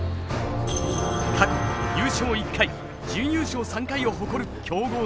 過去優勝１回準優勝３回を誇る強豪です。